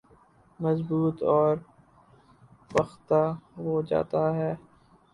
مضبوط اور پختہ ہوجاتا ہے